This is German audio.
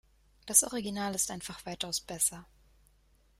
Das Original ist einfach weitaus besser.